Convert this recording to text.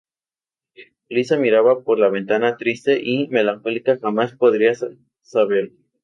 Lisa miraba por la ventana, triste y melancólica jamás podría saber